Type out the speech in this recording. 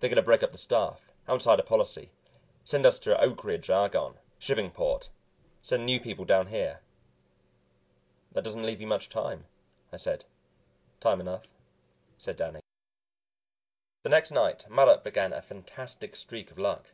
They're going to break up the staff, Outsider policy, send us to Oak Ridge, Argonne, Shippingport, send new people down here." "That doesn't leave you much time," I said. "Time enough," said Danny. The next night Mattup began a fantastic streak of luck.